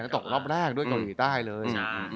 ตกรอบแรกกับตรวจีนไต้เลย